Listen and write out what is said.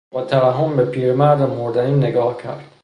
با ترحم به پیرمرد مردنی نگاه کرد.